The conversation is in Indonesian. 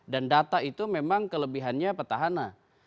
dan data itu memang kelebihannya petahana